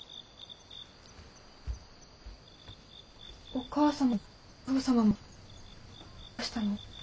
お母様もお父様もどうしたの？